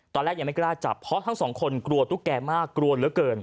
ตอนแรกยังไม่กล้าจับเพราะทั้งสองคนกลัวตุ๊กแกมากกลัวเหลือเกิน